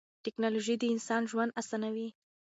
تکنالوژي د انسان ژوند اسانوي.